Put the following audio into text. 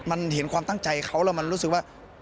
มันเห็นความตั้งใจเขาแล้วมันรู้สึกว่า